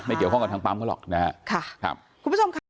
ไม่เกี่ยวข้องกับทางปั๊มก็หรอกนะครับ